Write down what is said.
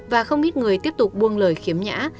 và không ít người tiếp tục buông lời khiếm nhã